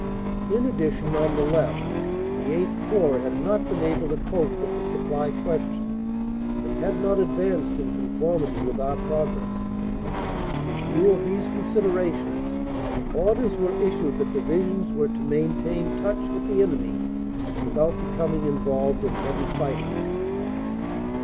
In addition on the left, the VIII Corps had not been able to cope with the supply question and had not advanced in conformity with our progress. In view of these considerations, orders were issued that Divisions were to main tain touch with the enemy without becoming involved in heavy fighting.